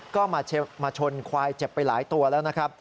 ก็มาชนควายเจ็บไปหลายตัวแล้วนะครับ